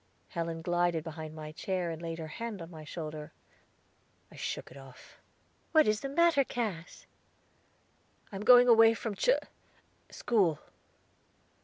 Helen glided behind my chair, and laid her hand on my shoulder; I shook it off. "What is the matter, Cass?" "I am going away from Char school."